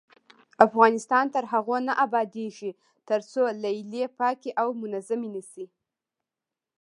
افغانستان تر هغو نه ابادیږي، ترڅو لیلیې پاکې او منظمې نشي.